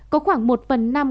có khoảng một phần năm